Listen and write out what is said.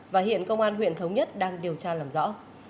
và hiện công an huyện thống nhất đang điều tra làm rõ